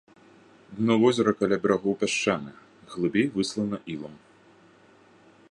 Дно возера каля берагоў пясчанае, глыбей выслана ілам.